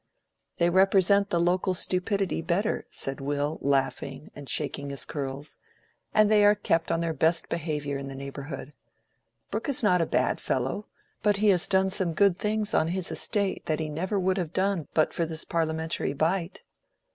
"They represent the local stupidity better," said Will, laughing, and shaking his curls; "and they are kept on their best behavior in the neighborhood. Brooke is not a bad fellow, but he has done some good things on his estate that he never would have done but for this Parliamentary bite."